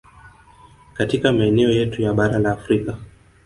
Katika maeneo yetu ya bara la Afrika